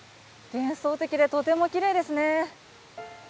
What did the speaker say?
幻想的でとてもきれいですね。